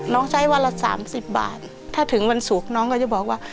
ใช้วันละ๓๐บาทถ้าถึงวันศุกร์น้องก็จะบอกว่า